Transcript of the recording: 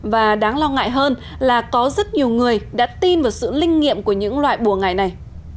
và đáng lo ngại hơn là có rất nhiều người đã tin vào sự linh nghiệm của những loại bùa ngải này